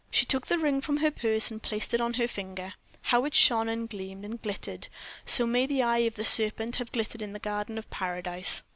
She took the ring from her purse and placed it on her finger. How it shone, and gleamed, and glittered! So may the eye of the serpent have glittered in the garden of Paradise.